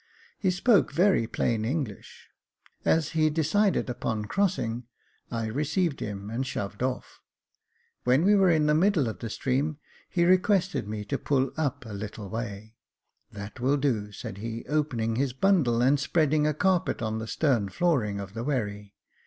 He spoke very plain English. As he decided upon crossing, I received him, and shoved off; when we were in the middle of the stream, he requested me to pull a little way up. " That will do," said he, opening his bundle and spreading a carpet on the stern flooring of the wherry.